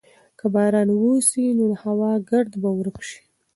که باران وسي نو د هوا ګرد به ورک سي.